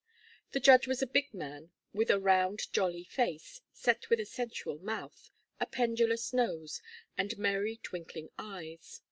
The judge was a big man with a round jolly face, set with a sensual mouth, a pendulous nose, and merry twinkling eyes.